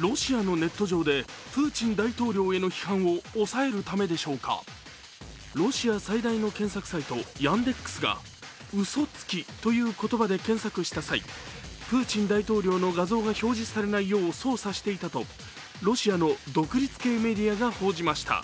ロシアのネット上で、プーチン大統領への批判を抑えるためでしょうか、ロシア最大の検索サイト、ヤンデックスが「うそつき」という言葉で検索した際、プーチン大統領の画像が表示されないよう操作していたとロシアの独立系メディアが報じました。